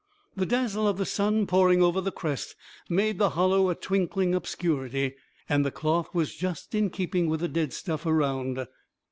The dazzle of the sun, pouring over the crest, made the hollow a twinkling obscurity; and the cloth was just in keeping with the dead stuff around.